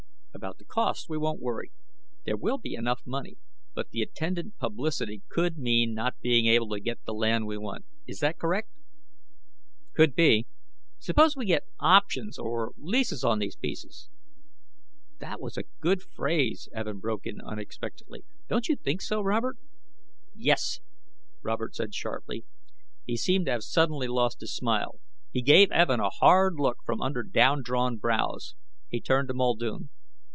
"About the cost we won't worry. There will be enough money. But the attendant publicity could mean not being able to get the land we want. Is that correct?" "Could be. Suppose we get options, or leases on these pieces ..." "That was a good phrase," Evin broke in unexpectedly. "Don't you think so, Robert?" "Yes!" Robert said sharply. He seemed to have suddenly lost his smile. He gave Evin a hard look from under down drawn brows. He turned to Muldoon.